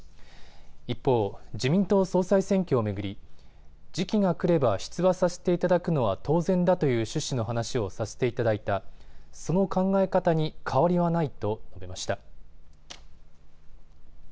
一方、自民党総裁選挙を巡り時期が来れば出馬させていただくのは当然だという趣旨の話をさせていただいた、その考え方に変わりはないと述べました。